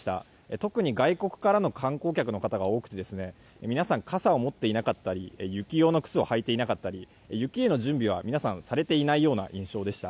特に外国からの観光客の方が多くて皆さん、傘を持っていなかったり雪用の靴を履いていなかったり雪への準備は皆さんされていないような印象でした。